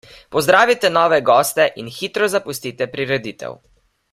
Pozdravite nove goste in hitro zapustite prireditev.